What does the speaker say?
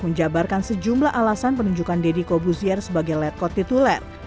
menjabarkan sejumlah alasan penunjukan deddy kobuzier sebagai ledkot tituler